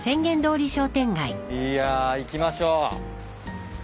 いや行きましょう。